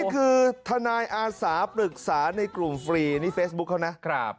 คือทนายอาสาปรึกษาในกลุ่มฟรีนี่เฟซบุ๊คเขานะ